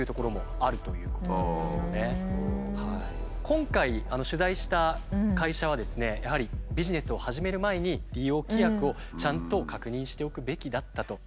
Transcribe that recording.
今回取材した会社はですねやはりビジネスを始める前に利用規約をちゃんと確認しておくべきだったと。